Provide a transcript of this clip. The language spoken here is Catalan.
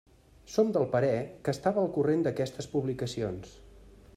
Som del parer que estava al corrent d'aquestes publicacions.